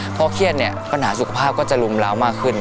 เมื่อเทียดเป็นปัญหาสุขภาพก็จะลุ่มหลาวมากขึ้น